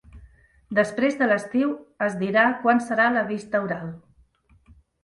Després de l'estiu es dirà quan serà la vista oral.